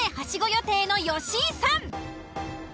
予定の吉井さん。